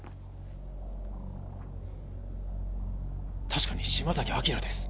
確かに島崎章です！